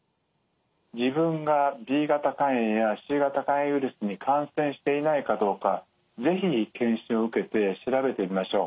自分がＢ型肝炎やＣ型肝炎ウイルスに感染していないかどうか是非検診を受けて調べてみましょう。